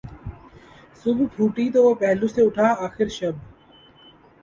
صبح پھوٹی تو وہ پہلو سے اٹھا آخر شب